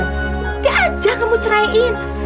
udah aja kamu ceraiin